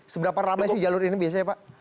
seberapa ramai sih jalur ini biasanya pak